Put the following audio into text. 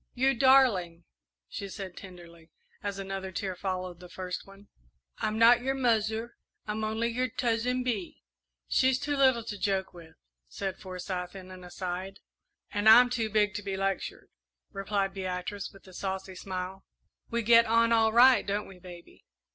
"You darling," she said tenderly, as another tear followed the first one; "I'm not your 'muzzer,' I'm only your 'Tuzzin Bee.'" "She's too little to joke with," said Forsyth, in an aside. "And I'm too big to be lectured," replied Beatrice, with a saucy smile. "We get on all right, don't we, baby?"